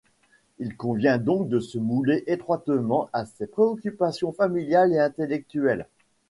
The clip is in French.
Il convient donc de se mouler étroitement à ses préoccupations familiales et intellectuelles.